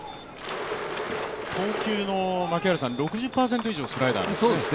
投球んお６０％以上がスライダ−ですよね。